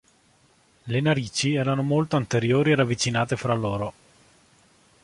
Le narici erano molto anteriori e ravvicinate fra loro.